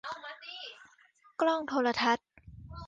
กล้องโทรทัศน์